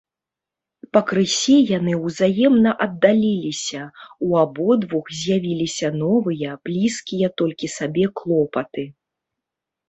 Пакрысе яны ўзаемна аддаліліся, у абодвух з’явіліся новыя, блізкія толькі сабе клопаты.